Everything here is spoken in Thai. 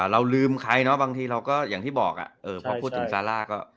เราลืมใครเนาะบางทีเราก็อย่างที่บอกพอพูดถึงซาร่าก็